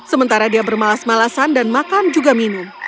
sementara dia bermalas malasan dan makan juga minum